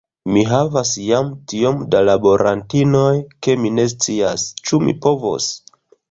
Mi havas jam tiom da laborantinoj, ke mi ne scias, ĉu mi povos.